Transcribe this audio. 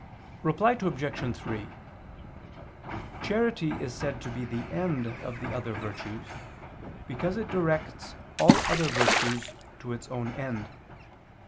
Reply Obj. 3: Charity is said to be the end of other virtues, because it directs all other virtues to its own end.